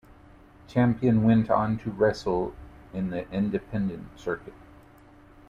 Champion went on to wrestle in the independent circuit.